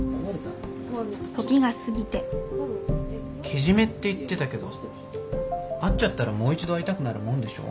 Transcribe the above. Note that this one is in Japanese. けじめって言ってたけど会っちゃったらもう一度会いたくなるもんでしょ？